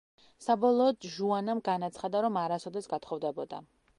საბოლოოდ, ჟუანამ განაცხადა, რომ არასოდეს გათხოვდებოდა.